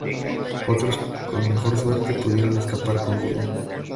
Otros, con mejor suerte, pudieron escapar con vida.